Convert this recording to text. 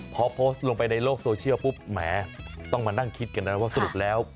พอโพสต์ลงไปในโลกโซเชียลปุ๊บแหมต้องมานั่งคิดกันนะว่าสรุปแล้ว